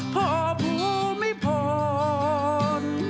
พ่อผู้มิพล